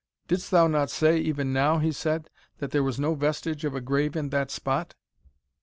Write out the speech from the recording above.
"Didst thou not say, even now," he said, "that there was no vestige of a grave in that spot?"